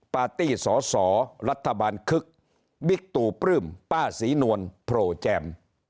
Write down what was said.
ปาร์ตี้สอสอรัฐบาลคึกบิ๊กตู่ปลื้มป้าศรีนวลโผล่แจ่ม